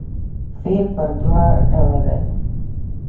فعل پر دوه ډوله دئ.